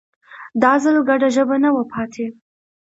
دا ځل ګډه ژبه نه وه پاتې